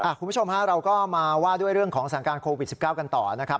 คุณผู้ชมฮะเราก็มาว่าด้วยเรื่องของสถานการณ์โควิด๑๙กันต่อนะครับ